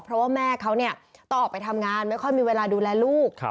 เพราะว่าแม่เขาต้องออกไปทำงานไม่ค่อยมีเวลาดูแลลูก